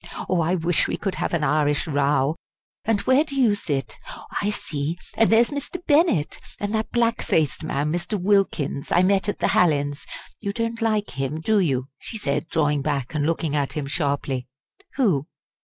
Oh! I wish we could have an Irish row! And where do you sit? I see and there's Mr. Bennett and that black faced man, Mr. Wilkins, I met at the Hallins you don't like him, do you?" she said, drawing back and looking at him sharply. "Who?